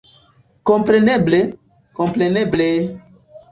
Kompreneble, kompreneble!